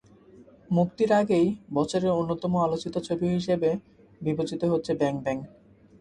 মুক্তির আগেই বছরের অন্যতম আলোচিত ছবি হিসেবে বিবেচিত হচ্ছে ব্যাং ব্যাং।